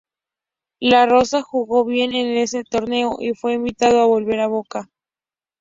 Larrosa jugó bien en ese torneo y fue invitado a volver a Boca.